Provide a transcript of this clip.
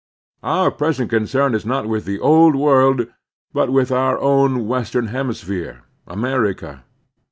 Our present concern is not with the Old World, but with our own western hemisphere, America.